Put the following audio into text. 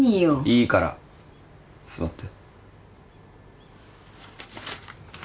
いいから座って。